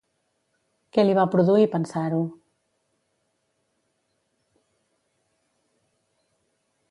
Què li va produir pensar-ho?